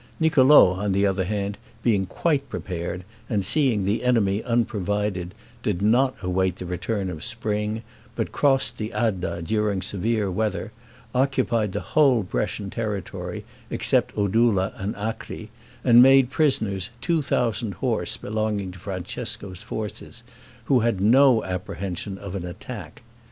Niccolo, on the other hand, being quite prepared, and seeing the enemy unprovided, did not await the return of spring, but crossed the Adda during severe weather, occupied the whole Brescian territory, except Oddula and Acri, and made prisoners two thousand horse belonging to Francesco's forces, who had no apprehension of an attack.